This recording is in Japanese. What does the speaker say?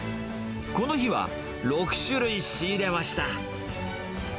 この日は、６種類仕入れました。